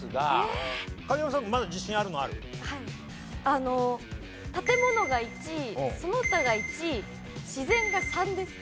あの建物が１その他が１自然が３です。